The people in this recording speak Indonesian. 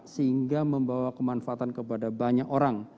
sehingga membawa kemanfaatan kepada banyak orang